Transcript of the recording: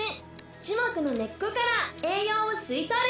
樹木の根っこから栄養を吸い取る。